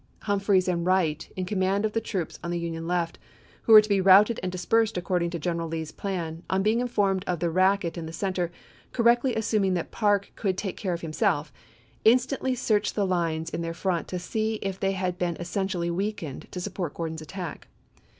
Humphreys and Wright, in command of the troops on the Union left, who were to be routed and dispersed according to General Lee's plan, on being informed of the racket in the center, correctly assuming that Parke could take care of himself, instantly searched the lines in their front to see if they had been essentially weak ened to support Gordon's attack.